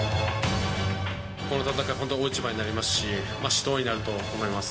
この戦いは本当、大一番になりますし、死闘になると思います。